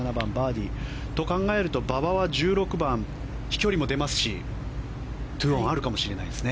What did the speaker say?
ブハイは１７番、バーディー。と考えると馬場は１６番飛距離も出ますし２オンあるかもしれないですね。